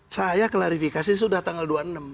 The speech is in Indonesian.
saya klarifikasi sudah tanggal dua puluh enam